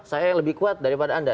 saya lebih kuat daripada anda